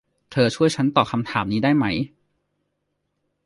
เธอช่วยฉันตอบคำถามนี้ได้ไหม